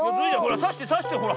さしてさしてほら。